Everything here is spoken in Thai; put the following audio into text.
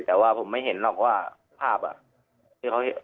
แต่ว่าผมไม่เห็นหรอกว่าภาพอะ